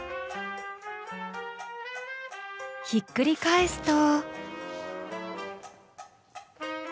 ひっくり返すと。